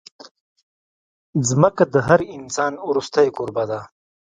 ځمکه د هر انسان وروستۍ کوربه ده.